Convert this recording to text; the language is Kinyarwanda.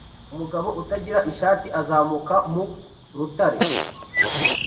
Umugabo utagira ishati azamuka mu rutare